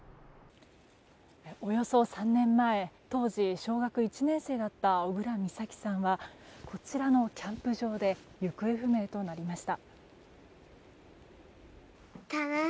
およそ３年前当時小学１年生だった小倉美咲さんはこちらのキャンプ場で行方不明となりました。